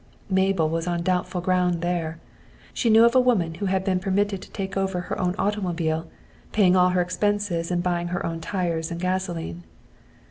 Mabel was on doubtful ground there. She knew of a woman who had been permitted to take over her own automobile, paying all her expenses and buying her own tires and gasoline.